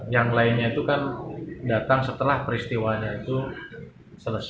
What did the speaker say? yang lainnya itu kan datang setelah peristiwanya itu selesai